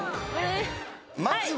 まずは。